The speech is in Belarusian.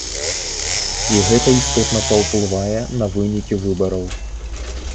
І гэта істотна паўплывае на вынікі выбараў.